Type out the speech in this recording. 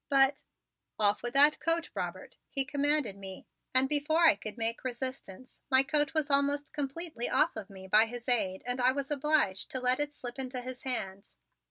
"But " "Off with that coat, Robert!" he commanded me, and before I could make resistance, my coat was almost completely off of me by his aid and I was obliged to let it slip into his hands.